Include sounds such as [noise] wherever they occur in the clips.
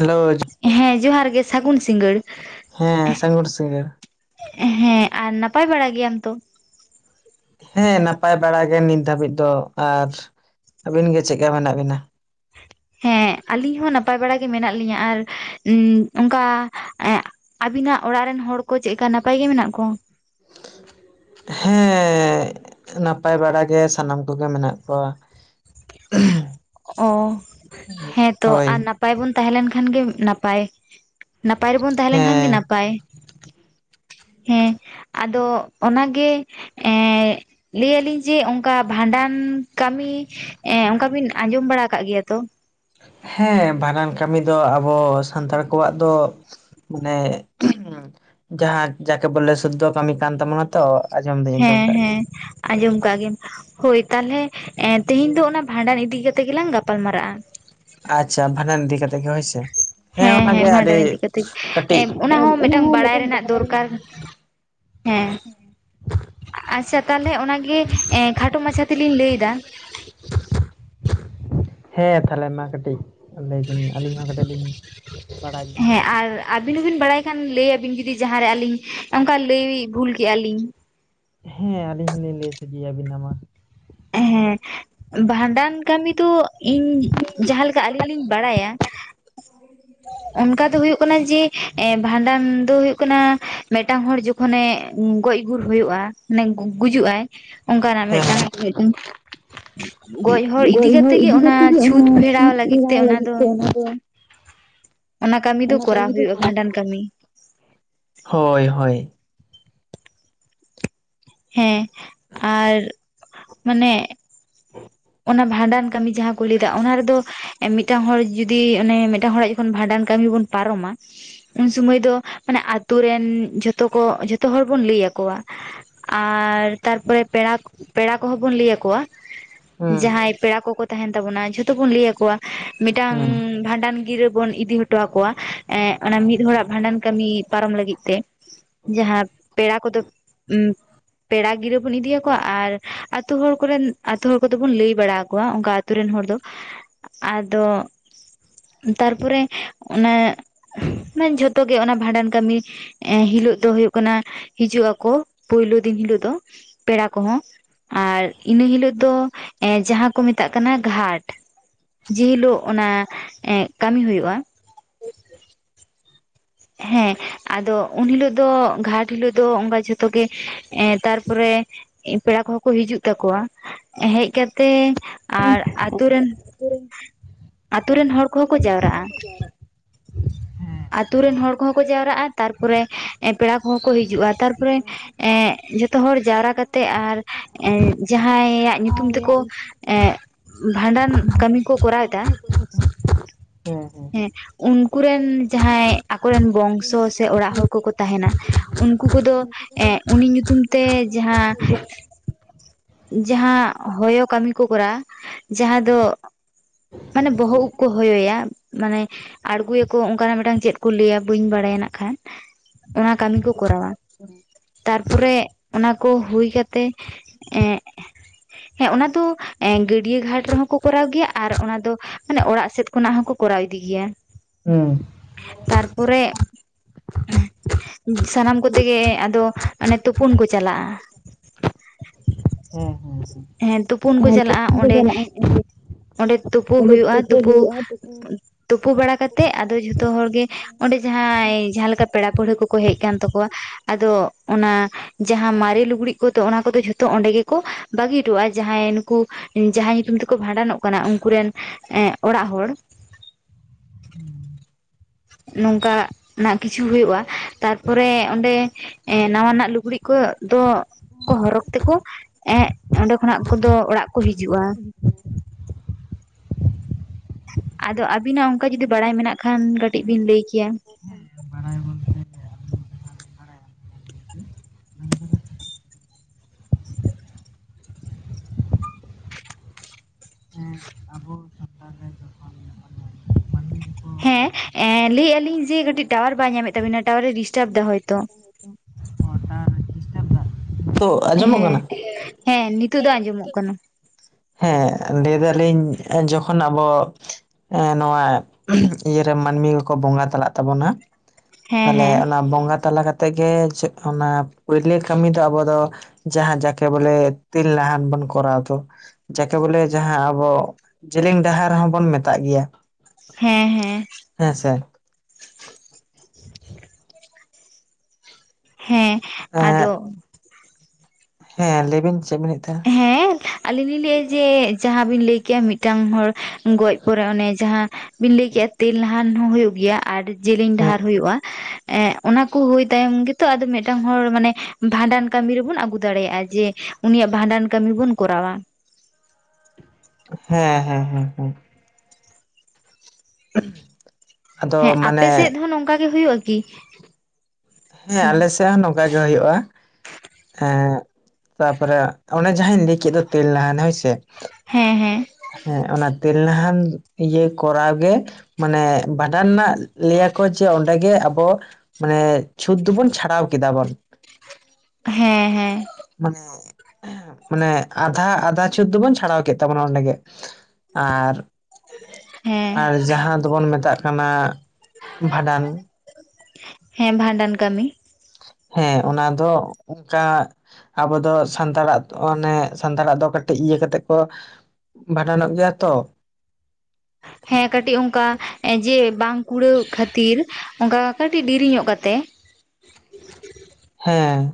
Hello ᱦᱮᱸ ᱡᱚᱦᱟᱨ ᱜᱮ ᱥᱟᱹᱜᱩᱱ ᱥᱤᱸᱜᱟᱹᱲ ᱦᱮᱸ ᱦᱮᱸ ᱥᱟᱹᱜᱩᱲ ᱥᱤᱟᱹᱜᱟᱹᱲ ᱦᱮᱸ ᱟᱨ ᱱᱟᱯᱟᱭ ᱵᱟᱲᱟ ᱜᱮᱭᱟᱢ ᱛᱚ ᱦᱮᱸ ᱱᱟᱯᱟᱭ ᱵᱟᱲᱟ ᱜᱮ ᱱᱤᱛ ᱫᱷᱟᱹᱵᱤᱡ ᱫᱚ ᱟᱨ ᱟᱹᱵᱤᱱ ᱜᱮ ᱪᱮᱫ ᱞᱮᱠᱟ ᱢᱮᱱᱟᱜ ᱵᱤᱱᱟ ᱦᱮᱸ ᱟᱞᱤᱧ ᱦᱚᱸ ᱱᱟᱯᱟᱭ ᱵᱟᱲᱟ ᱜᱮ ᱢᱮᱱᱟᱜ ᱞᱤᱧᱟᱹ ᱟᱨ ᱚᱱᱠᱟ [unintelligible] ᱟᱵᱤᱱᱟᱜ ᱚᱲᱟᱜ ᱨᱮᱱ ᱦᱚᱲ ᱠᱚ ᱪᱮᱫᱱᱞᱮᱠᱟ ᱱᱟᱯᱟᱭ ᱜᱮ ᱢᱮᱱᱟᱜ ᱠᱚᱣᱟ [unintelligible] ᱦᱮᱸ ᱱᱟᱯᱟᱭ ᱵᱟᱲᱟ ᱜᱮ ᱥᱟᱱᱟᱢ ᱠᱚ ᱜᱮ ᱢᱮᱱᱟᱜ ᱠᱚᱣᱟ᱾ [inaudible] ᱚ ᱦᱮᱸ ᱛᱚ ᱟᱨ ᱦᱳᱭ ᱱᱟᱯᱟᱭ ᱵᱚᱱ ᱛᱟᱦᱮᱸ ᱞᱮᱱ ᱠᱷᱟᱱ ᱜᱮ ᱱᱟᱯᱟᱭ᱾ ᱱᱟᱯᱟᱭ ᱨᱮᱵᱩᱱ ᱛᱟᱦᱮᱸ ᱞᱮᱱ ᱠᱷᱟᱱ ᱜᱮ ᱦᱮᱸ ᱱᱟᱯᱟᱭ᱾ ᱦᱮᱸ ᱟᱫᱚ ᱚᱱᱟ ᱜᱮ [unintelligible] ᱞᱟᱹᱭ ᱭᱟᱞᱤᱧ ᱡᱮ ᱚᱱᱠᱟ ᱵᱷᱟᱸᱰᱟᱱ ᱠᱟᱹᱢᱤ ᱚᱱᱠᱟ ᱵᱤᱱ ᱟᱸᱡᱚᱢ ᱵᱟᱲᱟ ᱠᱟᱜ ᱜᱮᱭᱟ ᱛᱚ? ᱦᱮᱸ ᱵᱷᱟᱸᱰᱟᱱ ᱠᱟᱹᱢᱤ ᱫᱚ ᱟᱵᱚ ᱥᱟᱱᱛᱟᱲ ᱠᱚᱣᱟᱜ ᱫᱚ ᱢᱟᱱᱮ ᱡᱟᱦᱟᱸ ᱡᱟᱠᱮ ᱵᱚᱞᱮ ᱥᱩᱫᱽᱫᱷᱚ ᱠᱟᱹᱢᱤ ᱠᱟᱱ ᱛᱟᱵᱚᱱᱟ ᱛᱚ᱾ ᱟᱸᱡᱚᱢ ᱫᱚᱧ ᱟᱸᱡᱚᱢ ᱦᱮᱸ ᱟᱠᱟᱫ ᱦᱮᱸ ᱜᱮᱭᱟ ᱟᱸᱡᱚᱢ ᱠᱟᱜ ᱜᱮᱢ ᱦᱳᱭ ᱛᱟᱦᱚᱞᱮ ᱛᱮᱦᱮᱧ ᱫᱚ ᱚᱱᱟ ᱵᱷᱟᱸᱰᱟᱱ ᱤᱫᱤ ᱠᱟᱛᱮᱜ ᱜᱮᱞᱟᱝ ᱜᱟᱯᱟᱞ ᱢᱟᱨᱟᱜᱼᱟ᱾ ᱟᱪᱪᱷᱟ ᱵᱷᱟᱸᱰᱟᱱ ᱤᱫᱤ ᱠᱟ ᱠᱟᱛᱮ ᱜᱮ ᱦᱳᱭ ᱥᱮ᱾ ᱦᱮᱸ ᱚᱱᱟᱜᱮ ᱦᱮᱸ ᱟᱹᱰᱤ ᱵᱷᱟᱸᱰᱟᱱ ᱤᱫᱤ ᱠᱟᱛᱮᱜ ᱠᱟᱹᱴᱤᱡ ᱚᱱᱟ ᱦᱚᱸ ᱢᱤᱫᱴᱟᱝ ᱵᱟᱲᱟᱭ ᱨᱮᱱᱟᱜ ᱫᱚᱨᱠᱟᱨ᱾ ᱦᱮᱸ ᱟᱪᱪᱷᱟ ᱛᱟᱦᱚᱞᱮ ᱚᱱᱟ ᱜᱮ ᱮ ᱠᱷᱟᱴᱚ ᱢᱟᱪᱷᱟ ᱛᱮᱞᱤᱧ ᱞᱟᱹᱭ ᱫᱟ᱾ ᱦᱮᱸ ᱛᱟᱦᱚᱞᱮ ᱢᱟ ᱠᱟᱹᱴᱤᱡ ᱞᱟᱹᱭ ᱟᱹᱞᱤᱧ ᱦᱚᱸ ᱠᱟᱹᱴᱤᱡ ᱞᱤᱧ ᱵᱟᱲᱟᱭ ᱧᱚᱜᱼᱟ᱾ ᱦᱮᱸ ᱟᱨ ᱟᱹᱵᱤᱱ ᱦᱚᱸᱵᱤᱱ ᱵᱟᱲᱟᱭ ᱠᱷᱟᱱ ᱞᱟᱹᱭ ᱟᱵᱤᱱ ᱡᱩᱫᱤ ᱡᱟᱦᱟᱸ ᱨᱮ ᱟᱹᱞᱤᱧ ᱚᱱᱠᱟ ᱞᱟᱹᱭ ᱵᱷᱩᱞ ᱠᱮᱫᱮᱜᱼᱟ ᱞᱤᱧ᱾ ᱦᱮᱸ ᱟᱹᱞᱤᱧ ᱦᱚᱞᱤᱧ ᱞᱟᱹᱭ ᱥᱚᱡᱷᱮ ᱭᱟᱵᱤᱱᱟ ᱢᱟ᱾ ᱦᱮᱸ ᱵᱷᱟᱸᱰᱟᱱ ᱠᱟᱹᱢᱤ ᱫᱚ ᱤᱧ ᱡᱟᱦᱟᱸ ᱞᱮᱠᱟ ᱟᱹᱞᱤᱧ ᱞᱤᱧ ᱵᱟᱰᱟᱭᱟ ᱾ ᱚᱱᱠᱟ ᱫᱚ ᱦᱩᱭᱩᱜ ᱠᱟᱱᱟ ᱡᱮ ᱮ ᱵᱷᱟᱸᱰᱟᱱ ᱫᱚ ᱦᱳᱭᱳᱜ ᱠᱟᱱᱟ ᱢᱤᱫᱴᱟᱝ ᱦᱚᱲ ᱡᱚᱠᱷᱚᱱᱮ ᱜᱚᱡ ᱜᱩᱨ ᱦᱳᱭᱳᱜᱼᱟ ᱾ ᱢᱟᱱᱮ ᱜᱩᱡᱩᱜ ᱟᱭ ᱚᱱᱠᱟᱱᱟᱜ ᱢᱤᱫᱴᱟᱝ ᱦᱮᱸ [inaudible] ᱜᱚ ᱤᱭᱟᱹ ᱤᱫᱤ ᱠᱟᱛᱮ ᱜᱮ ᱚᱱᱟ ᱪᱷᱩᱸᱛ ᱠᱚᱨᱟᱣ ᱞᱟᱹᱜᱤᱫ ᱛᱮ ᱚᱱᱟ ᱫᱚ ᱚᱱᱟ ᱠᱟᱹᱢᱤ ᱫᱚ ᱠᱚᱨᱟᱣ ᱦᱳᱭᱳᱜᱼᱟ ᱵᱷᱟᱸᱰᱟᱱ ᱠᱟᱹᱢᱤ᱾ ᱦᱳᱭ ᱦᱳᱭ ᱦᱮᱸ ᱟᱨ ᱢᱟᱱᱮ ᱚᱱᱟ ᱵᱷᱟᱸᱰᱟᱱ ᱠᱟᱹᱢᱤ ᱡᱟᱦᱟᱸ ᱠᱚ ᱞᱟᱹᱭ ᱫᱟ ᱚᱱᱟ ᱨᱮ ᱫᱚ ᱢᱤᱫᱴᱟᱝ ᱦᱚᱲ ᱡᱩᱫᱤ ᱚᱱᱮ ᱢᱤᱫᱴᱟᱝ ᱦᱚᱲ ᱟᱜ ᱡᱚᱠᱷᱚᱱ ᱵᱷᱟᱸᱰᱟᱱ ᱠᱟᱹᱢᱤ ᱵᱚᱱ ᱯᱟᱨᱚᱢᱟ᱾ ᱩᱱ ᱥᱚᱢᱚᱭ ᱫᱚ ᱢᱟᱱᱮ ᱟᱛᱳ ᱨᱮᱱ ᱡᱷᱚᱛᱚ ᱠᱚ ᱡᱷᱚᱛᱚ ᱦᱚᱲ ᱵᱚᱱ ᱞᱟᱹᱭ ᱠᱚᱣᱟ᱾ ᱟᱨ ᱛᱟᱨ ᱯᱚᱨᱮ ᱯᱮ ᱯᱮᱲᱟ ᱠᱚᱦᱚᱸ ᱵᱚᱱ ᱞᱟᱹᱭᱟ ᱠᱚᱣᱟ᱾ ᱦᱩᱸ ᱡᱟᱦᱟᱸᱭ ᱯᱮᱲᱟ ᱠᱚᱠᱚ ᱛᱟᱦᱮᱱ ᱛᱟᱵᱚᱱᱟ ᱡᱷᱚᱛᱚ ᱵᱚᱱ ᱞᱟᱹᱭ ᱟᱠᱚᱣᱟ ᱢᱤᱫᱴᱟᱝ ᱦᱩᱸ ᱵᱷᱟᱸᱰᱟᱱ ᱜᱤᱨᱟᱹ ᱵᱚᱱ ᱤᱫᱤ ᱦᱚᱴᱚ ᱟᱠᱚᱣᱟ ᱚᱱᱟ ᱮᱜ ᱢᱤᱫ ᱦᱚᱲᱟᱜ ᱵᱷᱟᱸᱰᱟᱱ ᱠᱟᱹᱢᱤ ᱯᱟᱨᱚᱢ ᱞᱟᱹᱜᱤᱫ᱾ ᱥᱮ ᱡᱟᱦᱟᱸ ᱯᱮᱲᱟ ᱠᱚᱫᱚ ᱯᱮᱲᱟ ᱜᱤᱨᱟᱹ ᱵᱚᱱ ᱤᱫᱤᱭᱟ ᱠᱚᱣᱟ ᱟᱨ ᱟᱛᱩ ᱦᱚᱲ ᱠᱚᱨᱮᱱ ᱟᱛᱩ ᱦᱚᱲ ᱠᱚᱼᱼ ᱛᱮᱵᱚᱱ ᱞᱟᱹᱭ ᱵᱟᱲᱟᱣ ᱠᱚᱣᱟ ᱚᱱᱠᱟ ᱟᱹᱛᱩ ᱨᱮᱱ ᱦᱚᱲ ᱫᱚ ᱟᱫᱚ ᱛᱟᱨᱯᱚᱨᱮ ᱚᱱᱮ ᱢᱮ ᱡᱷᱚᱛᱚ ᱜᱮ ᱚᱱᱟ ᱵᱷᱟᱸᱰᱟᱱ ᱠᱟᱹᱢᱤ ᱮᱸ ᱦᱤᱞᱳᱜ ᱫᱚ ᱦᱚᱭᱩᱜ ᱠᱟᱱᱟ ᱦᱤᱡᱩᱜ ᱟᱠᱚ ᱯᱩᱭᱞᱩ ᱫᱤᱱ ᱦᱤᱞᱳᱜ ᱫᱚ ᱯᱮᱲᱟ ᱠᱚᱦᱚᱸ ᱟᱨ ᱤᱱᱟᱹ ᱦᱤᱞᱟᱹᱜ ᱫᱚ ᱮᱸ ᱡᱟᱦᱟᱸ ᱠᱚ ᱢᱮᱛᱟᱜ ᱠᱟᱱᱟ ᱜᱷᱟᱴ ᱡᱮ ᱦᱤᱞᱳᱜ ᱚᱱᱟ ᱮᱸᱜ ᱠᱟᱢᱤ ᱦᱩᱭᱩᱜᱼᱟ᱾ ᱦᱮᱸ ᱟᱫᱚ ᱩᱱ ᱦᱤᱞᱳᱜ ᱫᱚ ᱜᱷᱟᱴ ᱦᱤᱞᱳᱜ ᱫᱚ ᱚᱱᱠᱟ ᱡᱷᱚᱛᱚ ᱜᱮ ᱮᱸ ᱛᱟᱨᱯᱚᱨᱮ ᱮᱸ ᱯᱮᱲᱟ ᱠᱚᱦᱚᱸ ᱠᱚ ᱦᱤᱡᱩᱜ ᱛᱟᱠᱚᱣᱟ ᱦᱮᱡ ᱠᱟᱛᱮ ᱟᱨ ᱟᱛᱩ ᱨᱮᱱ ᱟᱛᱩ ᱨᱮᱱ ᱦᱚᱲ ᱠᱚᱦᱚᱸ ᱠᱚ ᱡᱟᱣᱨᱟᱜᱼᱟ᱾ ᱦᱮᱸ ᱛᱳᱨ ᱟᱫᱚ ᱨᱮᱱ ᱦᱚᱲ ᱠᱚᱦᱚᱸ ᱠᱚ ᱡᱟᱣᱨᱟᱜᱼᱟ ᱛᱟᱨᱯᱚᱨᱮ ᱯᱮᱲᱟ ᱠᱚᱦᱚᱸ ᱠᱚ ᱦᱤᱡᱩᱜᱼᱟ ᱛᱟᱨᱯᱚ ᱨᱮ ᱮᱸᱜ ᱡᱚᱛᱚ ᱦᱚᱲ ᱡᱟᱣᱨᱟ ᱠᱟᱛᱮᱜ ᱟᱨ ᱮᱸ ᱡᱟᱦᱟᱸᱭᱟᱜ ᱧᱩᱛᱩᱢ ᱛᱮᱠᱚ ᱮᱸ [inaudible] ᱵᱷᱟᱸᱰᱟᱱ ᱠᱟᱹᱢᱤ ᱠᱚ ᱠᱚᱨᱟᱣ ᱫᱟ ᱦᱮᱸ ᱩᱝᱠᱩ ᱨᱮᱱ ᱡᱟᱦᱟᱸᱭ ᱟᱠᱚ ᱨᱮᱱ ᱵᱚᱝᱥᱚ ᱥᱮ ᱚᱲᱟᱜ ᱦᱚᱲ ᱠᱚᱠᱚ ᱛᱟᱦᱮᱱᱟ᱾ ᱩᱱᱠᱩ ᱠᱚᱫᱚ ᱮᱸᱜ ᱩᱱᱤ ᱧᱩᱛᱩᱢ ᱛᱮ ᱡᱟᱦᱟᱸ ᱡᱟᱦᱟᱸ ᱦᱚᱭᱚ ᱠᱟᱢᱤ ᱠᱚ ᱠᱚᱨᱟᱣᱟ ᱡᱟᱦᱟᱸ ᱫᱚ ᱢᱟᱱᱮ ᱵᱚᱦᱚᱜ ᱩᱵ ᱠᱚ ᱦᱚᱭᱚᱭᱟ ᱢᱟᱱᱮ ᱟᱬᱜᱩ ᱭᱟᱠᱚ ᱚᱱᱠᱟ ᱱᱟᱜ ᱢᱤᱫᱴᱟᱝ ᱪᱮᱫ ᱠᱩ ᱞᱟᱹᱭᱟ ᱵᱟᱹᱧ ᱵᱟᱲᱟᱭ ᱱᱟᱜ ᱠᱷᱟᱱ ᱚᱱᱟ ᱠᱟᱢᱤ ᱠᱚ ᱠᱚᱨᱟᱣᱟ᱾ ᱛᱟᱨᱯᱚᱨᱮ ᱚᱱᱟ ᱠᱚ ᱦᱩᱭ ᱠᱟᱛᱮ ᱮᱸ [unintelligible] ᱦᱮᱸ ᱚᱱᱟ ᱫᱚ ᱮᱸ ᱜᱟᱹᱰᱭᱟᱹ ᱜᱷᱟᱴ ᱨᱮᱦᱚᱸ ᱠᱚ ᱠᱚᱨᱟᱣ ᱜᱮᱭᱟ ᱟᱨ ᱚᱱᱟ ᱫᱚ ᱢᱟᱱᱮ ᱚᱲᱟᱜ ᱥᱮᱛ ᱠᱷᱚᱱᱟᱜ ᱦᱚᱸᱠᱚ ᱠᱚᱨᱟᱣ ᱤᱫᱤ ᱜᱮᱭᱟ᱾ ᱦᱩᱸ᱾ ᱛᱟᱨᱯᱚᱨᱮ ᱚᱦᱮᱸ ᱥᱟᱱᱟᱢ ᱠᱚᱛᱮᱜᱮ ᱟᱫᱚ ᱚᱱᱮ ᱛᱩᱯᱩᱱ ᱠᱚ ᱪᱟᱞᱟᱜ-ᱟ᱾ ᱦᱮᱸᱻᱦᱮᱸᱻᱦᱮᱸ᱾ ᱦᱮᱸ ᱛᱩᱯᱩᱱ ᱠᱚ ᱪᱟᱞᱟᱜ-ᱟ ᱚᱸᱰᱮ ᱚᱸᱰᱮ ᱛᱩᱯᱩ ᱦᱩᱭᱩᱜ-ᱟ ᱛᱩᱯᱩ ᱛᱩᱯᱩ ᱵᱟᱲᱟ ᱠᱟᱛᱮᱜ ᱟᱫᱚ, ᱡᱷᱚᱛᱚ ᱦᱚᱲ ᱜᱮ ᱚᱸᱰᱮ ᱡᱟᱦᱟᱸᱭ ᱡᱟᱦᱟᱸ ᱞᱮᱠᱟ ᱯᱮᱲᱟ ᱯᱟᱹᱣᱲᱟᱹ ᱠᱚᱠᱚ ᱦᱮᱡ ᱠᱟᱱ ᱛᱟᱠᱚᱣᱟ ᱟᱫᱚ ᱚᱱᱟ ᱡᱟᱦᱟᱸ ᱢᱟᱨᱮ ᱞᱩᱜᱽᱲᱤ ᱠᱚᱛᱚ ᱚᱱᱟ ᱠᱚᱫᱚ ᱡᱷᱚᱛᱚ ᱚᱸᱰᱮ ᱜᱮᱠᱚ ᱵᱟᱜᱤ ᱴᱩᱣᱼᱟ ᱡᱟᱦᱟᱸᱭ ᱱᱩᱠᱩ ᱮᱸ ᱡᱟᱦᱟᱸᱭ ᱧᱩᱛᱩᱢ ᱛᱮᱠᱚ ᱵᱷᱟᱸᱰᱟᱱᱚᱜ ᱠᱟᱱᱟ ᱩᱱᱠᱩ ᱨᱮᱱ ᱮᱸᱜ ᱚᱲᱟᱜ ᱦᱚᱲ᱾ ᱱᱚᱝᱠᱟ ᱱᱟᱜ ᱠᱤᱪᱷᱩ ᱦᱩᱭᱩᱜ-ᱟ ᱛᱟᱨᱯᱚᱨᱮ ᱚᱸᱰᱮ ᱮᱸ ᱱᱟᱶᱟ ᱱᱟᱜ ᱞᱩᱜᱽᱲᱤᱡ ᱠᱚ ᱫᱚ ᱦᱚᱨᱚᱠ ᱛᱮᱠᱚ ᱮᱸᱜ ᱚᱸᱰᱮ ᱠᱷᱚᱱᱟᱜ ᱠᱚᱫᱚ ᱚᱲᱟᱜ ᱠᱚ ᱦᱤᱡᱩᱜ-ᱟ᱾ ᱟᱫᱚ ᱟᱵᱤᱱᱟᱜ ᱚᱱᱠᱟ ᱡᱩᱫᱤ ᱵᱟᱲᱟᱭ ᱢᱮᱱᱟᱜ ᱠᱷᱟᱱ, ᱠᱟᱹᱴᱤᱡ ᱵᱤᱱ ᱞᱟᱹᱭ ᱠᱮᱭᱟ? ᱵᱟᱲᱟᱭ ᱵᱚᱞᱛᱮ ᱟᱹᱞᱤᱧ ᱡᱟᱦᱟᱸ ᱞᱤᱧ ᱵᱟᱲᱟᱭᱟ ᱦᱮᱸ ᱟᱵᱚ ᱥᱟᱱᱛᱟᱲ ᱨᱮ ᱡᱚᱠᱷᱚᱱ ᱢᱟᱱᱮ ᱢᱟᱹᱱᱢᱤ ᱠᱚᱠᱚ ᱦᱮᱸ ᱵᱚᱸᱜᱟ ᱛᱟᱞᱟᱜᱼᱟ ᱮᱸ ᱞᱟᱹᱭᱮᱜ-ᱟ ᱞᱤᱧ ᱡᱮ ᱠᱟᱹᱴᱤᱡ ᱴᱟᱣᱟᱨ ᱵᱟᱭ ᱧᱟᱢᱮᱜ ᱛᱟᱵᱤᱱᱟ ᱴᱟᱣᱟᱨ ᱮ ᱰᱤᱥᱴᱟᱵᱽ ᱫᱟ ᱦᱚᱭᱛᱚ᱾ ᱛᱚᱜ ᱦᱮᱸ ᱦᱮᱸ ᱱᱤᱛᱚᱜ ᱫᱚ ᱟᱸᱡᱚᱢᱚᱜ ᱠᱟᱱᱟ᱾ ᱦᱮᱸ ᱞᱟᱹᱭ ᱫᱟ ᱞᱤᱧ ᱮᱸ ᱡᱚᱠᱷᱚᱱ ᱟᱵᱚ ᱮᱸ ᱱᱚᱣᱟ ᱤᱭᱟᱹ ᱨᱮ ᱢᱟᱱᱢᱤ ᱠᱚᱠᱚ ᱵᱚᱸᱜᱟ ᱛᱟᱞᱟᱜ ᱛᱟᱵᱚᱱᱟ᱾ ᱦᱮᱸ ᱛᱟᱞᱦᱮ ᱦᱮᱸ ᱚᱱᱟ ᱵᱚᱸᱜᱟ ᱛᱟᱞᱟ ᱠᱟᱛᱮᱜ ᱜᱮ ᱪᱮᱜ ᱠᱚ ᱚᱱᱟ ᱯᱩᱭᱞᱟᱹ ᱠᱟᱢᱤ ᱫᱚ ᱟᱵᱚ ᱫᱚᱼᱼ ᱡᱟᱦᱟᱸ ᱡᱟᱠᱮ ᱵᱚᱞᱮ ᱛᱮᱞ ᱞᱟᱦᱟᱱ ᱵᱚᱱ ᱠᱚᱨᱟᱣ ᱫᱚ᱾ ᱡᱟᱠᱮ ᱵᱚᱞᱮ ᱡᱟᱦᱟᱸ ᱟᱵᱚ ᱡᱮᱞᱮᱧ ᱰᱟᱦᱟᱨ ᱦᱚᱸᱵᱚᱱ ᱢᱮᱛᱟᱜ ᱜᱮᱭᱟ᱾ ᱦᱮᱸ ᱦᱮᱸ᱾ ᱦᱮᱸ ᱥᱮ᱾ [inaudible] ᱦᱮᱸ ᱮᱸ ᱟᱫᱚ ᱦᱮᱸ ᱞᱟᱹᱭᱵᱤᱱ ᱪᱮᱫ ᱵᱤᱱ ᱞᱟᱹᱮᱫ ᱛᱟᱦᱮᱸᱱᱟ? ᱦᱮᱸ ᱟᱹᱞᱤᱧ ᱞᱤᱧ ᱞᱟᱹᱭᱼᱟ, ᱡᱮ ᱡᱟᱦᱟᱸ ᱵᱤᱱ ᱞᱟᱹᱭ ᱠᱮᱜᱭᱟ ᱢᱤᱫᱴᱟᱝ ᱦᱚᱲ ᱜᱚᱡ ᱯᱚᱨᱮ ᱚᱱᱮ ᱡᱟᱦᱟᱸ ᱵᱤᱱ ᱞᱟᱹᱭ ᱠᱮᱜᱼᱟ ᱛᱮᱞ ᱞᱟᱦᱟᱱ ᱦᱚᱸ ᱦᱩᱭᱩᱜ ᱜᱮᱭᱟ᱾ ᱟᱨ ᱡᱮᱞᱮᱧ ᱰᱟᱦᱟᱨ ᱦᱮᱸ ᱦᱩᱭᱩᱜᱼᱟ᱾ ᱮᱸᱜ ᱚᱱᱟ ᱠᱚ ᱦᱩᱭ ᱛᱟᱭᱚᱢ ᱜᱮᱛᱚ ᱟᱫᱚ ᱢᱤᱫᱴᱟᱝ ᱦᱚᱲ ᱢᱟᱱᱮ ᱵᱷᱟᱸᱰᱟᱱ ᱠᱟᱹᱢᱤ ᱨᱮᱵᱚᱱ ᱟᱹᱜᱩ ᱫᱟᱲᱮᱭᱟᱜᱼᱟ, ᱡᱮ ᱩᱱᱤᱭᱟᱜ ᱵᱷᱟᱸᱰᱟᱱ ᱠᱟᱹᱢᱤ ᱵᱚᱱ ᱠᱚᱨᱟᱣᱼᱟ᱾ ᱦᱮᱸᱻᱦᱮᱸᱻᱦᱮᱸᱻᱦᱮᱸ᱾ [inaudible] ᱟᱫᱚ ᱦᱮᱸ ᱢᱟᱱᱮ ᱟᱯᱮ ᱥᱮᱫ ᱦᱚᱸ ᱱᱚᱝᱠᱟ ᱜᱮ ᱦᱩᱭᱩᱜᱼᱟ ᱠᱤ? ᱦᱮᱸ ᱟᱞᱮ ᱥᱮᱜ ᱦᱚᱸ ᱱᱚᱝᱠᱟ ᱜᱮ ᱦᱳᱭᱳᱜᱼᱟ᱾ ᱦᱮᱸ ᱛᱟᱯᱚᱨᱮ ᱚᱱᱮ ᱡᱟᱦᱟᱸᱧ ᱞᱟᱹᱭ ᱠᱮᱫ ᱫᱚ ᱛᱮᱞ ᱱᱟᱦᱟᱱ ᱦᱚᱭ ᱥᱮ ᱦᱮᱸᱻᱦᱮᱸ᱾ ᱦᱮᱸ ᱚᱱᱟ ᱛᱮᱞ ᱱᱟᱦᱟᱱ ᱤᱭᱟᱹ ᱠᱚᱨᱟᱣᱜ ᱜᱮ ᱢᱟᱱᱮ ᱵᱷᱟᱸᱰᱟᱱ ᱨᱮᱱᱟᱜ ᱞᱟᱹᱭᱟᱠᱚ ᱡᱮ ᱚᱸᱰᱮᱜᱮ ᱟᱵᱚ ᱢᱟᱱᱮ ᱪᱷᱩᱸᱛ ᱫᱚᱵᱚᱱ ᱪᱷᱟᱲᱟᱣ ᱠᱮᱫᱟᱵᱚᱱ ᱾ ᱦᱮᱸᱻᱦᱮᱸᱻ᱾ ᱢᱟᱱᱮ ᱢᱟᱱᱮ ᱟᱫᱷᱟ ᱟᱫᱷᱟ ᱪᱷᱩᱸᱛ ᱫᱚᱵᱚᱱ ᱪᱷᱟᱲᱟᱣ ᱠᱮᱫ ᱛᱟᱵᱚᱱᱟ ᱚᱸᱰᱮᱜᱮ ᱟᱨ ᱦᱮᱸ ᱟᱨ ᱡᱟᱦᱟᱸ ᱫᱚᱵᱚᱱ ᱢᱮᱛᱟᱜ ᱠᱟᱱᱟ ᱠᱟᱱᱟ ᱵᱷᱟᱸᱰᱟᱱ ᱦᱮᱸ ᱵᱷᱟᱸᱰᱟᱱ ᱠᱟᱹᱢᱤ᱾ ᱦᱮᱸ ᱚᱱᱟ ᱫᱚ ᱚᱱᱠᱟ ᱟᱵᱚ ᱫᱚ ᱥᱟᱱᱛᱟᱲᱟᱜ ᱚᱱᱮ ᱥᱟᱱᱛᱟᱲᱟᱜ ᱫᱚ ᱠᱟᱹᱴᱤᱡ ᱤᱭᱟᱹ ᱠᱟᱛᱮᱜ ᱠᱚ ᱵᱷᱟᱸᱰᱟᱱᱚᱜ ᱜᱮᱭᱟ ᱛᱚ ᱦᱮᱸ ᱠᱟᱹᱴᱤᱡ ᱚᱱᱠᱟ ᱡᱮ ᱵᱟᱝ ᱠᱩᱲᱟᱹᱣ ᱠᱷᱟᱹᱛᱤᱨ ᱚᱱᱠᱟ ᱠᱟᱹᱴᱤᱡ ᱫᱮᱨᱤ ᱧᱚᱜ ᱠᱟᱛᱮᱜ ᱦᱮᱸ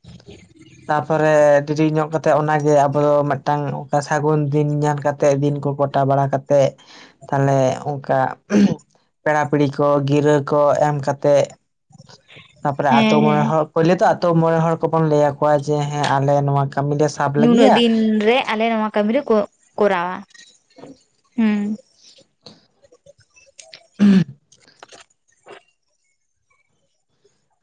[unintelligible] ᱛᱟᱯᱚᱨᱮ ᱰᱮᱨᱤ ᱧᱚᱜ ᱠᱟ ᱠᱟᱛᱮᱜ ᱚᱱᱟᱜᱮ ᱟᱵᱚ ᱫᱚ ᱢᱤᱫᱴᱟᱝ ᱚᱠᱟ ᱥᱟᱹᱜᱩᱱ ᱫᱤᱱ ᱧᱮᱞ ᱠᱟᱛᱮ ᱛ ᱫᱤᱱ ᱠᱚ ᱠᱚᱴᱟ ᱵᱟᱲᱟ ᱠᱟᱛᱮᱜ ᱛᱟᱦᱞᱮ ᱚᱱᱠᱟ ᱯᱮᱲᱟ ᱯᱤᱲᱦᱤ ᱠᱚ ᱜᱤᱨᱟᱹ ᱠᱚ ᱮᱢ ᱠᱟᱛᱮᱫ ᱛᱟᱯᱚᱨᱮ ᱦᱮᱸ ᱟᱛᱳ ᱢᱚᱬᱮ ᱦᱮᱸ ᱦᱚᱲ ᱯᱳᱭᱞᱳ ᱛᱚ ᱟᱛᱳ ᱢᱚᱬᱮ ᱦᱚᱲ ᱠᱚᱵᱚᱱ ᱞᱟᱹᱭᱟ ᱡᱮ ᱦᱮᱸ ᱟᱞᱮ ᱱᱚᱣᱟ ᱠᱟᱹᱢᱤ ᱞᱮ ᱥᱟᱵ ᱱᱩᱱᱟᱹᱜ ᱞᱟᱹᱜᱤᱫᱼᱟ ᱫᱤᱱ ᱨᱮ ᱟᱞᱮ ᱱᱚᱣᱟ ᱠᱟᱹᱢᱤ ᱨᱮ ᱠᱚᱨᱟᱣᱟ ᱦᱮᱸ᱾ ᱦᱮᱸ [unintelligible]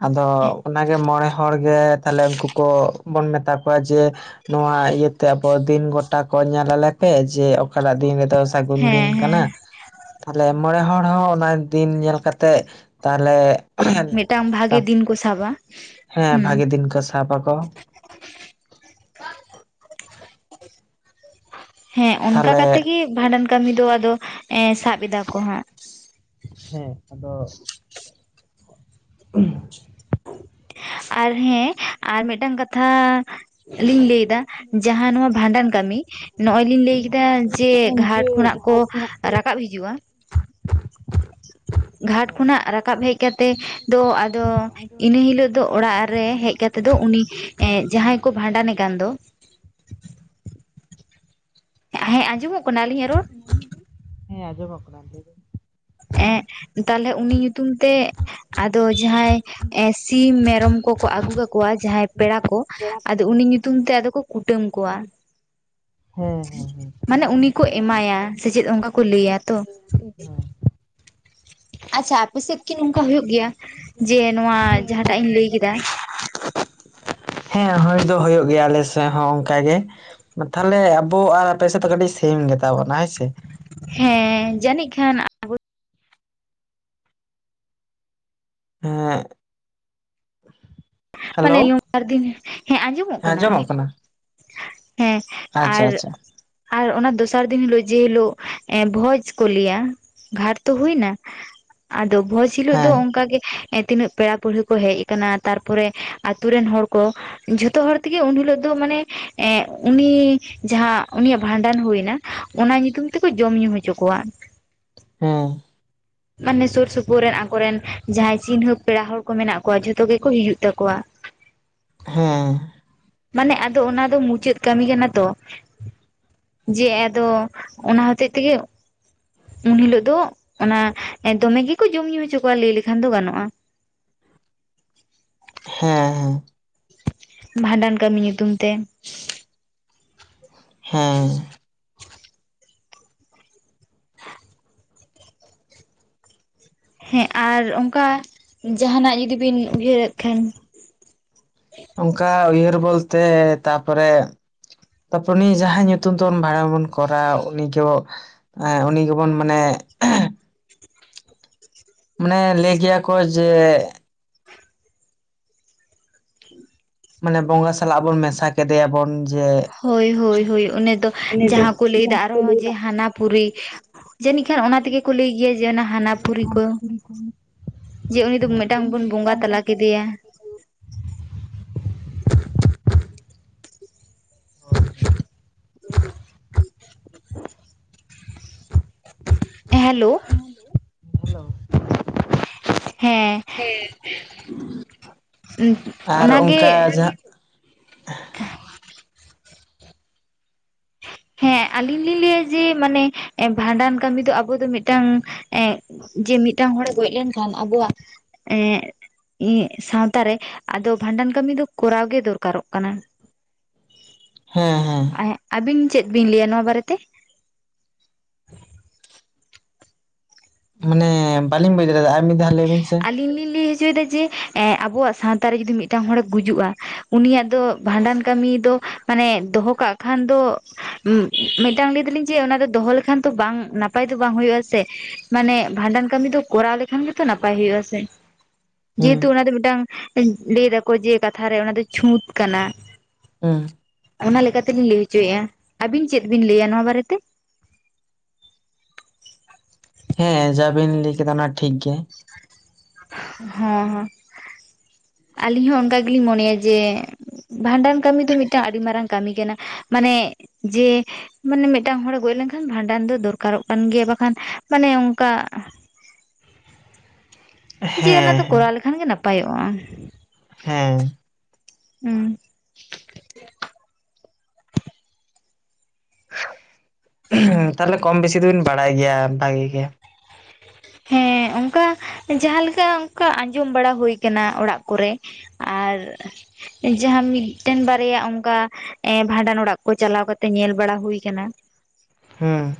ᱟᱫᱚ ᱚᱱᱟᱜᱮ ᱢᱚᱬᱮ ᱦᱚᱲ ᱜᱮ ᱛᱟᱦᱞᱮ ᱩᱱᱠᱩ ᱠᱚᱵᱚᱱ ᱢᱮᱛᱟ ᱠᱚᱣᱟ ᱡᱮ ᱱᱚᱣᱟ ᱤᱭᱟᱹᱛᱮ ᱟᱵᱚ ᱫᱤᱱ ᱜᱚᱴᱟ ᱠᱚ ᱧᱮᱞ ᱟᱞᱮᱯᱮ ᱡᱮ ᱚᱠᱟᱴᱟᱜ ᱫᱤᱱ ᱨᱮᱫᱚ ᱥᱟᱹᱜᱩᱱ ᱦᱮᱸ ᱫᱤᱱ ᱦᱮᱸ ᱠᱟᱱᱟ ᱛᱟᱦᱞᱮ ᱢᱚᱬᱮ ᱦᱚᱲ ᱦᱚᱸ ᱚᱱᱟ ᱫᱤᱱ ᱧᱮᱞ ᱠᱟᱛᱮᱜ ᱛᱟᱦᱞᱮ ᱢᱤᱫᱴᱟᱝ ᱵᱷᱟᱜᱮ ᱫᱤᱱ ᱠᱚ ᱥᱟᱵᱟ ᱦᱮᱸ ᱦᱩᱸ ᱵᱷᱟᱜᱤ ᱫᱤᱱ ᱠᱚ ᱥᱟᱵ ᱟᱠᱚ᱾ ᱦᱮᱸ ᱚᱱᱠᱟ ᱛᱟᱦᱞᱮ ᱠᱟᱛᱮ ᱜᱮ ᱵᱷᱟᱸᱰᱟᱱ ᱠᱟᱹᱢᱤ ᱫᱚ ᱟᱫᱚ ᱥᱟᱵ ᱮᱫᱟ ᱠᱚ ᱦᱟᱸᱜ ᱦᱮᱸ ᱟᱫᱚ ᱩᱸ [unintelligible] ᱟᱨ ᱦᱮᱸ ᱟᱨ ᱢᱤᱫᱴᱟᱝ ᱠᱟᱛᱷᱟ ᱞᱤᱧ ᱞᱟᱹᱭᱫᱟ ᱡᱟᱦᱟᱸ ᱱᱚᱣᱟ ᱵᱷᱟᱸᱰᱟᱱ ᱠᱟᱹᱢᱤ ᱱᱚᱜᱚᱭ ᱞᱤᱧ ᱞᱟᱹᱭ ᱠᱮᱫᱟ ᱡᱮ ᱜᱷᱟᱴ ᱠᱷᱚᱱᱟᱜ ᱠᱚ ᱨᱟᱠᱟᱵ ᱦᱤᱡᱩᱜᱼᱟ ᱜᱷᱟᱴ ᱠᱷᱚᱱᱟᱜ ᱨᱟᱠᱟᱵ ᱦᱮᱡ ᱠᱟᱛᱮᱜ ᱫᱚ ᱟᱫᱚ ᱤᱱᱟᱹ ᱦᱤᱞᱳᱜ ᱫᱚ ᱚᱲᱟᱜ ᱨᱮ ᱦᱮᱡ ᱠᱟᱛᱮᱜ ᱫᱚ ᱩᱱᱤ ᱮ ᱡᱟᱦᱟᱸᱭ ᱠᱚ ᱵᱷᱟᱸᱰᱟᱱᱮ ᱠᱟᱱ ᱫᱚ ᱮᱸ ᱟᱸᱡᱚᱢᱚᱜ ᱠᱟᱱᱟ ᱟᱞᱤᱧᱟᱜ ᱨᱚᱲ ᱦᱮᱸ ᱟᱡᱚᱢ ᱠᱚᱱᱟ ᱞᱟᱹᱭ ᱵᱤᱱ ᱮᱸ ᱛᱟᱦᱞᱮ ᱩᱱᱤ ᱧᱩᱛᱩᱢ ᱛᱮ ᱟᱫᱚ ᱡᱟᱦᱟᱸᱭ ᱥᱤᱢ ᱢᱮᱨᱚᱢ ᱠᱚᱠᱚ ᱟᱹᱜᱩ ᱠᱟᱠᱚᱣᱟ ᱡᱟᱦᱟᱸᱭ ᱯᱮᱲᱟ ᱠᱚ ᱟᱫᱚ ᱩᱱᱤ ᱧᱩᱛᱩᱢ ᱛᱮ ᱟᱫᱚ ᱠᱚ ᱠᱩᱴᱟᱹᱢ ᱠᱚᱣᱟ ᱦᱮᱸ ᱦᱮᱸ ᱦᱮᱸ ᱢᱟᱱᱮ ᱩᱱᱤ ᱠᱚ ᱮᱢᱟᱭᱟ ᱥᱮ ᱪᱮᱫ ᱚᱱᱠᱟ ᱠᱚ ᱞᱟᱹᱭᱟ ᱛᱚ ᱮ [inaudible] ᱟᱪᱪᱷᱟ ᱟᱯᱮ ᱥᱮᱫ ᱠᱤ ᱱᱚᱝᱠᱟ ᱦᱩᱭᱩᱜ ᱜᱮᱭᱟ ᱡᱮ ᱱᱚᱣᱟ ᱡᱟᱦᱟᱸᱴᱟᱜ ᱤᱧ ᱞᱟᱹᱭ ᱠᱮᱫᱟ ᱦᱮᱸ ᱦᱩᱭ ᱫᱚ ᱦᱩᱭᱩᱜ ᱜᱮᱭᱟ ᱟᱞᱮ ᱥᱮᱫ ᱦᱚᱸ ᱚᱱᱠᱟ ᱜᱮ ᱛᱟᱦᱞᱮ ᱟᱵᱚ ᱟᱨ ᱟᱯᱮ ᱥᱮᱫ ᱫᱚ ᱠᱟᱹᱴᱤᱡ ᱥᱮᱢ ᱜᱮᱛᱟ ᱵᱚᱱᱟ ᱦᱮᱸ ᱥᱮ ᱦᱮᱸ ᱡᱟᱹᱱᱤᱡ ᱠᱷᱟᱱ ᱦᱮᱸ ᱢᱟᱱᱮ ᱦᱮᱞᱳ ᱱ ᱵᱟᱨ ᱫᱤᱱ ᱦᱮᱸ ᱟᱸᱡᱚᱢᱚᱜ ᱠᱟᱱᱟ ᱦᱮᱸ ᱟᱪᱪᱷᱟ ᱟᱨ ᱟᱪᱪᱷᱟ ᱟᱨ ᱚᱱᱟ ᱫᱚᱥᱟᱨ ᱫᱤᱱ ᱦᱤᱞᱳᱜ ᱡᱮ ᱦᱤᱞᱳᱜ ᱵᱷᱚᱡᱽ ᱠᱚ ᱞᱟᱹᱭᱟ ᱜᱷᱟᱴ ᱛᱚ ᱦᱩᱭ ᱮᱱᱟ ᱟᱫᱚ ᱵᱷᱚᱡᱽ ᱦᱤᱞᱳᱜ ᱫᱚ ᱦᱮᱸ ᱚᱱᱠᱟᱜ ᱜᱮ ᱛᱤᱱᱟᱹᱜ ᱯᱮᱲᱟ ᱯᱟᱹᱲᱦᱟᱹ ᱠᱚ ᱦᱮᱡ ᱟᱠᱟᱱᱟ ᱛᱟᱨᱯᱚᱨᱮ ᱟᱛᱳ ᱨᱮᱱ ᱦᱚᱲ ᱠᱚ ᱡᱷᱚᱛᱚ ᱦᱚᱲ ᱛᱮᱜᱮ ᱩᱱᱦᱤᱞᱳᱜ ᱫᱚ ᱢᱟᱱᱮ ᱮ ᱩᱱᱤ ᱡᱟᱦᱟᱸ ᱩᱱᱤᱭᱟᱜ ᱵᱷᱟᱸᱰᱟᱱ ᱦᱩᱭᱱᱟ ᱚᱱᱟ ᱧᱩᱛᱩᱢ ᱛᱮ ᱠᱚ ᱡᱚᱢ ᱧᱩ ᱦᱚᱪᱚ ᱠᱚᱣᱟᱹ ᱦᱮᱸ ᱢᱟᱱᱮ ᱥᱩᱨ ᱥᱩᱯᱩᱨ ᱨᱮᱱ ᱟᱠᱚᱨᱮᱱ ᱡᱟᱦᱟᱸᱭ ᱪᱤᱱᱦᱟᱹᱯ ᱯᱮᱲᱟ ᱦᱚᱲ ᱠᱚ ᱢᱮᱱᱟᱜ ᱠᱚᱣᱟ ᱡᱷᱚᱛᱚ ᱜᱮ ᱠᱚ ᱦᱤᱡᱩᱜ ᱛᱟᱠᱚᱣᱟ ᱦᱮᱸ ᱢᱟᱱᱮ ᱟᱫᱚ ᱚᱱᱟ ᱫᱚ ᱢᱩᱪᱟᱹᱫ ᱠᱟᱹᱢᱤ ᱠᱟᱱᱟ ᱛᱚ ᱡᱮ ᱟᱫᱚ ᱚᱱᱟ ᱦᱚᱛᱮᱜ ᱛᱮᱜᱮ ᱩᱱ ᱦᱤᱞᱚᱜ ᱫᱚ ᱚᱱᱟ ᱫᱚᱢᱮ ᱜᱮ ᱠᱚ ᱡᱚᱢ ᱧᱩ ᱦᱚᱪᱚ ᱠᱚᱣᱟ ᱞᱟᱹᱭ ᱞᱮᱠᱷᱟᱱ ᱫᱚ ᱜᱟᱱᱚᱜ-ᱟ ᱦᱮᱸ ᱦᱮᱸ ᱵᱷᱟᱸᱰᱟᱱ ᱠᱟᱹᱢᱤ ᱧᱩᱛᱩᱢ ᱛᱮ ᱦᱮᱸ ᱦᱮᱸ ᱟᱨ ᱚᱱᱠᱟ ᱡᱟᱦᱱᱟᱜ ᱡᱩᱫᱤ ᱵᱤᱱ ᱩᱭᱦᱟᱹᱨ ᱮᱫ ᱠᱷᱟᱱ? ᱚᱱᱠᱟ ᱩᱭᱦᱟᱹᱨ ᱵᱚᱞᱛᱮ ᱛᱟᱯᱚ ᱨᱮ ᱛᱟᱨᱯᱚᱨ ᱩᱱᱤ ᱡᱟᱦᱟᱸ ᱧᱩᱛᱩᱢ ᱛᱮ ᱵᱷᱟᱲᱟᱸ ᱵᱚᱱ ᱠᱚᱨᱟᱣ ᱩᱱᱤ ᱩᱱᱤ ᱜᱮ ᱵᱚᱱ ᱢᱟᱱᱮ ᱢᱟᱱᱮ ᱞᱟᱹᱭ ᱜᱮᱭᱟ ᱠᱚ ᱡᱮ ᱢᱟᱱᱮ ᱵᱚᱸᱜᱟ ᱥᱟᱞᱟᱜ ᱵᱚᱱ ᱢᱮᱥᱟ ᱠᱮᱫᱮᱭᱟ ᱵᱚᱱ ᱡᱮ ᱦᱳᱭ ᱦᱳᱭ ᱦᱳᱭ ᱩᱱᱤ ᱫᱚ ᱡᱟᱦᱟᱸ ᱠᱚ ᱞᱟᱹᱭ ᱫᱟ ᱟᱨ ᱦᱚ ᱡᱮ ᱦᱟᱱᱟ ᱯᱩᱨᱤ ᱡᱟᱹᱱᱤᱡ ᱠᱷᱟᱱ ᱚᱱᱟ ᱛᱮ ᱜᱮ ᱠᱚ ᱞᱟᱹᱭ ᱜᱮᱭᱟ ᱡᱮ ᱦᱟᱱᱟ ᱯᱩᱨᱤ ᱠᱚ ᱦ [inaudible] ᱡᱮ ᱩᱱᱤ ᱫᱚ ᱢᱤᱫᱴᱟᱝ ᱵᱚᱱ ᱵᱚᱸᱜᱟ ᱛᱟᱞᱟ ᱠᱮᱫᱮᱭᱟ ᱦ [inaudible] ᱦᱮᱞᱳ [inaudible] ᱦᱮᱸ ᱩ [inaudible] ᱟᱨ ᱚᱱᱠᱟ ᱡᱟᱦᱟᱸ ᱦᱮᱸ ᱟᱞᱤᱧ ᱞᱤᱧ ᱞᱟᱹᱭᱟ ᱡᱮ ᱢᱟᱱᱮ ᱵᱷᱟᱸᱰᱟᱱ ᱠᱟᱹᱢᱤ ᱫᱚ ᱟᱵᱚ ᱫᱚ ᱢᱤᱫᱴᱟᱝ ᱮᱜ ᱡᱮ ᱢᱤᱫᱴᱟᱝ ᱦᱚᱲ ᱮ ᱜᱚᱡ ᱞᱮᱱᱠᱷᱟᱱ ᱟᱵᱚᱣᱟᱜ ᱮᱜ ᱤᱧᱟᱹᱜ ᱥᱟᱶᱛᱟᱨ ᱨᱮ ᱟᱫᱚ ᱵᱷᱟᱸᱰᱟᱱ ᱠᱟᱹᱢᱤ ᱫᱚ ᱠᱚᱨᱟᱣ ᱜᱮ ᱫᱚᱨᱠᱟᱨᱚᱜ ᱠᱟᱱᱟᱹ ᱦᱮᱸ ᱦᱮᱸ ᱟᱹᱵᱤᱱ ᱪᱮᱫ ᱵᱤᱱ ᱞᱟᱹᱭ ᱟ ᱱᱚᱣᱟ ᱵᱟᱨᱮ ᱛᱮ? ᱢᱟᱱᱮ ᱵᱟᱹᱞᱤᱧ ᱵᱩᱡᱽ ᱫᱟᱲᱮ ᱟᱫᱟ ᱟᱨ ᱢᱤᱫ ᱫᱷᱟᱣ ᱞᱟᱹᱭ ᱵᱤᱱ ᱥᱮ ᱟᱞᱤᱧ ᱞᱤᱧ ᱞᱟᱹᱭ ᱦᱚᱪᱚᱭᱮᱫᱟ ᱡᱮ ᱟᱵᱚᱣᱟᱜ ᱥᱟᱶᱛᱟ ᱨᱮ ᱡᱩᱫᱤ ᱢᱤᱫᱴᱟᱝ ᱦᱚᱲᱮ ᱜᱩᱡᱩᱜ-ᱟ ᱩᱱᱤᱭᱟᱜ ᱫᱚ ᱵᱷᱟᱸᱰᱟᱱ ᱠᱟᱹᱢᱤ ᱫᱚ ᱢᱟᱱᱮ ᱫᱚᱦᱚ ᱠᱟᱜ ᱠᱷᱟᱱ ᱫᱚ ᱢᱤᱫᱴᱟᱝ ᱞᱟᱹᱭ ᱫᱟᱞᱤᱧ ᱡᱮ ᱚᱱᱟ ᱫᱚ ᱫᱚᱦᱚ ᱞᱮᱠᱷᱟᱱ ᱫᱚ ᱵᱟᱝ ᱱᱟᱯᱟᱭ ᱫᱚ ᱵᱟᱝ ᱦᱩᱭᱩᱜ-ᱟ ᱥᱮ ᱢᱟᱱᱮ ᱵᱷᱟᱸᱰᱟᱱ ᱠᱟᱹᱢᱤ ᱫᱚ ᱠᱚᱨᱟᱣ ᱞᱮᱠᱷᱟᱱ ᱜᱮ ᱛᱚ ᱱᱟᱯᱟᱭ ᱦᱩᱭᱩᱜᱼᱟ ᱥᱮ ᱦᱩᱸ ᱡᱮᱦᱮᱛᱩ ᱚᱱᱟ ᱫᱚ ᱢᱤᱫᱴᱟᱝ ᱞᱟᱹᱭ ᱫᱟᱠᱚ ᱡᱮ ᱠᱟᱛᱷᱟᱨᱮ ᱚᱱᱟ ᱫᱚ ᱪᱷᱩᱸᱛ ᱠᱟᱱᱟᱹ ᱦᱮᱸ ᱚᱱᱟ ᱞᱮᱠᱟᱛᱮᱞᱤᱧ ᱞᱟᱹᱭ ᱦᱚᱪᱚᱭᱮᱫᱼᱟ ᱟᱹᱵᱤᱱ ᱪᱮᱫ ᱵᱤᱱ ᱞᱟᱹᱭᱟ ᱱᱚᱣᱟ ᱵᱟᱨᱮᱛᱮ? ᱦᱮᱸ ᱡᱟᱵᱤᱱ ᱞᱟᱹᱭ ᱠᱮᱫᱟ ᱚᱱᱟ ᱴᱷᱤᱠ ᱜᱮ ᱦ ᱦ ᱟᱹᱞᱤᱧ ᱦᱚᱸ ᱚᱱᱠᱟ ᱜᱮᱞᱤᱧ ᱢᱚᱱᱮᱭᱟ ᱡᱮ ᱵᱷᱟᱸᱰᱟᱱ ᱠᱟᱹᱢᱤ ᱫᱚ ᱢᱤᱫᱴᱟᱝ ᱟᱹᱰᱤ ᱢᱟᱨᱟᱝ ᱠᱟᱹᱢᱤ ᱠᱟᱱᱟ ᱢᱟᱱᱮ ᱡᱮ ᱢᱟᱱᱮ ᱢᱤᱫᱴᱟᱝ ᱦᱚᱲᱮ ᱜᱚᱡ ᱞᱮᱱᱠᱷᱟᱱ ᱵᱷᱟᱸᱰᱟᱱ ᱫᱚ ᱫᱚᱨᱠᱟᱨᱚᱜ ᱠᱟᱱ ᱜᱮᱭᱟ ᱵᱟᱠᱷᱟᱱ ᱢᱟᱱᱮ ᱚᱱᱠᱟ ᱡᱮ ᱚᱱᱟ ᱦᱮᱸ ᱫᱚ ᱦᱮᱸ ᱠᱚᱨᱟᱣ ᱞᱮᱠᱷᱟᱱ ᱜᱮ ᱱᱟᱯᱟᱭᱚᱜᱼᱟ ᱦᱮᱸ ᱦᱩᱸ ᱛᱟᱦᱞᱮ ᱠᱚᱢ ᱵᱮᱥᱤ ᱫᱚᱵᱤᱱ ᱵᱟᱲᱟᱭ ᱜᱮᱭᱟ ᱵᱷᱟᱜᱤ ᱜᱮ ᱦᱮᱸ, ᱚᱱᱠᱟ ᱡᱟᱦᱟ ᱞᱮᱠᱟ ᱚᱱᱠᱟ ᱟᱸᱡᱚᱢ ᱵᱟᱲᱟ ᱦᱩᱭ ᱟᱠᱟᱱᱟ ᱚᱲᱟᱜ ᱠᱚᱨᱮ ᱟᱨ ᱡᱟᱦᱟᱸ ᱢᱤᱫᱴᱮᱱ ᱵᱟᱨᱭᱟ ᱚᱱᱠᱟ ᱵᱷᱟᱸᱰᱟᱱ ᱚᱲᱟᱜ ᱠᱚ ᱪᱟᱞᱟᱣ ᱠᱟᱛᱮᱜ ᱧᱮᱞ ᱵᱟᱲᱟ ᱦᱩᱭ ᱟᱠᱟᱱᱟ ᱦᱮᱸ